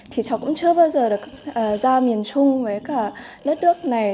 thì cháu cũng chưa bao giờ được ra miền trung với cả đất nước này